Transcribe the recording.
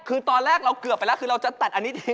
คือตอนแรกเราเกือบไปแล้วคือเราจะตัดอันนี้เอง